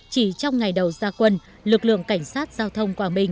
chỉ trong ngày đầu gia quân lực lượng cảnh sát giao thông quảng bình